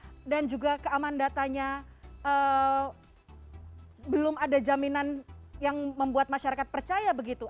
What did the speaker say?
ada banyak aplikasi dan juga keamanan datanya belum ada jaminan yang membuat masyarakat percaya begitu